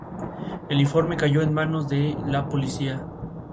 El informe cayó en manos de la policía.